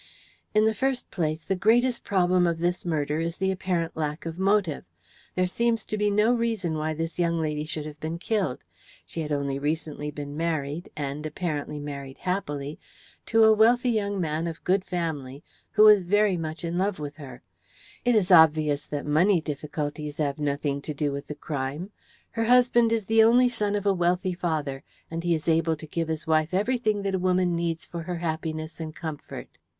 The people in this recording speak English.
"In the first place, the greatest problem of this murder is the apparent lack of motive. There seems to be no reason why this young lady should have been killed. She had only recently been married, and, apparently, married happily, to a wealthy young man of good family, who was very much in love with her. It is obvious that money difficulties have nothing to do with the crime. Her husband is the only son of a wealthy father, and he is able to give his wife everything that a woman needs for her happiness and comfort.